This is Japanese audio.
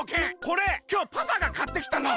これきょうパパがかってきたの！